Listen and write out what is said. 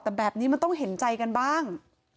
แต่แบบนี้มันต้องเห็นใจกันบ้าง